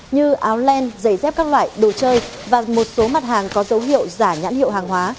như áo len giày dép các loại đồ chơi và một số mặt hàng có dấu hiệu giả nhãn hiệu hàng hóa